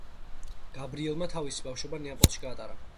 გაბრიელმა თავისი ბავშვობა ნეაპოლში გაატარა.